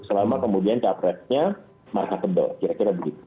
selama kemudian capresnya maka kedel kira kira begitu